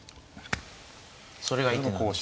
それがいい手なんですか。